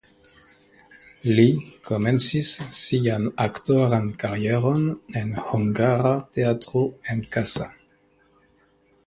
Li komencis sian aktoran karieron en Hungara Teatro en Kassa.